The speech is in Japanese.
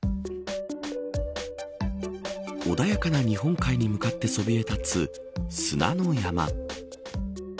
穏やかな日本海に向かってそびえ立つ砂の山。